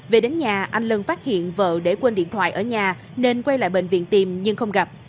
về đến nhà anh lân phát hiện vợ để quên điện thoại ở nhà nên quay lại bệnh viện tìm nhưng không gặp